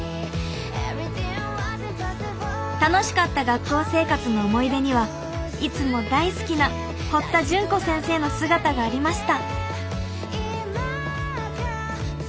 楽しかった学校生活の思い出にはいつも大好きな堀田潤子先生の姿がありました。